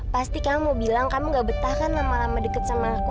pasti kamu bilang kamu gak betah kan lama lama deket sama aku